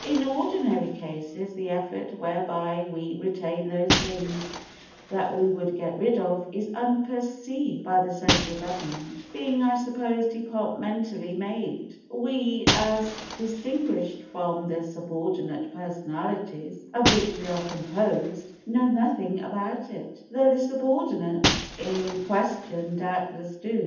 In ordinary cases the effort whereby we retain those things that we would get rid of is unperceived by the central government, being, I suppose, departmentally made; we—as distinguished from the subordinate personalities of which we are composed—know nothing about it, though the subordinates in question doubtless do.